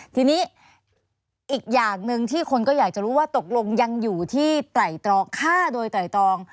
ทีนี้อีกอย่างหนึ่งที่คนก็อยากจะรู้ว่าตกลงยังอยู่ที่ไตรตรองฆ่าโดยไตรตรอง